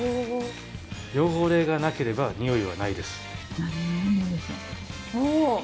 汚れがなければにおいはないです。